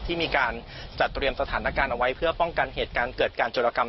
ที่มีการจัดเตรียมสถานการณ์เอาไว้เพื่อป้องกันเหตุการณ์เกิดการโจรกรรม